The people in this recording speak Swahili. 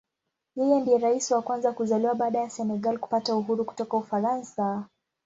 Yeye ndiye Rais wa kwanza kuzaliwa baada ya Senegal kupata uhuru kutoka Ufaransa.